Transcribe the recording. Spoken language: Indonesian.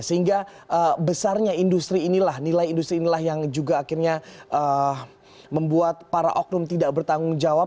sehingga besarnya industri inilah nilai industri inilah yang juga akhirnya membuat para oknum tidak bertanggung jawab